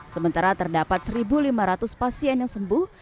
sementara terdapat satu lima ratus pasien yang sembuh